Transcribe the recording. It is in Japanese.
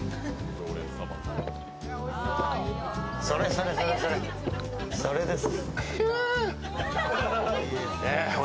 それ、それ、それ、それです。